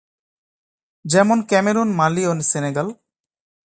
যেমন, Cameroon, Mali ও Senegal.